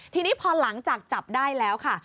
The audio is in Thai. ทีนี้พอหลังจากจับได้แล้วค่ะ